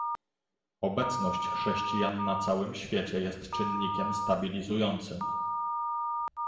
Obecność chrześcijan na całym świecie jest czynnikiem stabilizującym